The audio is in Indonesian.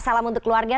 salam untuk keluarga